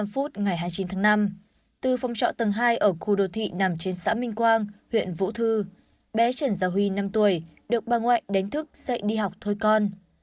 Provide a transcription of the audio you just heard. năm h bốn mươi năm ngày hai mươi chín tháng năm từ phòng trọ tầng hai ở khu đô thị nằm trên xã minh quang huyện vũ thư bé trần gia huy năm tuổi được bà ngoại đánh thức dạy đi học thôi con